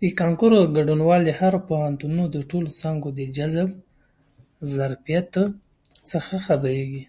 د کانکور هر ګډونوال د پوهنتونونو د ټولو څانګو د جذب ظرفیت څخه خبریږي.